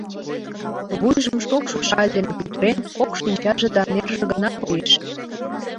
Вуйжым шокшо шаль дене пӱтырен, кок шинчаже да нерже гына коеш.